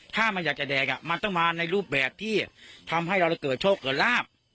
ถ้ามันอยากจะแดกมันต้องมาในรูปแบบที่ทำให้เราเกิดโชคเกิดลาบ